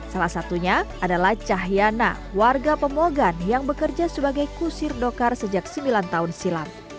salah satunya adalah cahyana warga pemogan yang bekerja sebagai kusir dokar sejak sembilan tahun silam